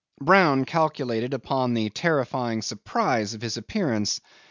Brown calculated upon the terrifying surprise of his appearance.